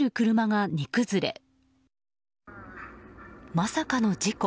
まさかの事故。